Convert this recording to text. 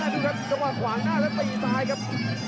ดูครับจังหวะขวางหน้าแล้วตีซ้ายครับ